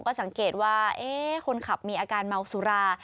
ก็สังเกตว่าคนขับมีอาการเมาสุรา